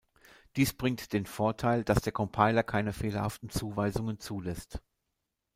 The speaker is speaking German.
Dies bringt den Vorteil, dass der Compiler keine fehlerhaften Zuweisungen zulässt.